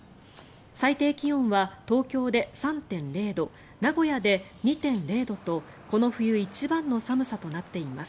最低気温は東京で３．０度名古屋で２．０度とこの冬一番の寒さとなっています。